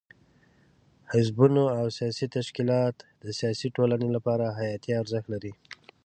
حزبونه او سیاسي تشکیلات د سیاسي ټولنې لپاره حیاتي ارزښت لري.